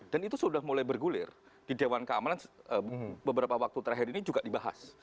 itu sudah mulai bergulir di dewan keamanan beberapa waktu terakhir ini juga dibahas